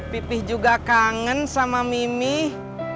pipih juga kangen sama mimih